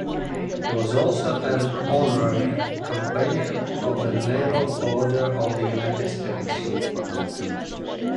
He was also an honorary companion of the Naval Order of the United States.